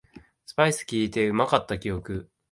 スパイスきいててうまかった記憶